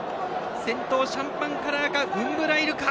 先頭、シャンパンカラーかウンブライルか。